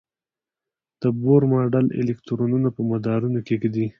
د بور ماډل الکترونونه په مدارونو کې ږدي.